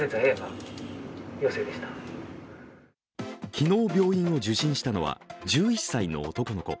昨日、病院を受診したのは１１歳の男の子。